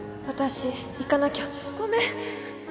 私行かなきゃ。ごめん！